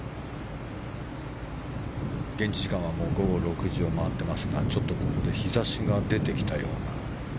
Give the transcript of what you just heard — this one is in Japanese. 現地時間はもう午後６時を回っていますがちょっとここで日差しが出てきたような。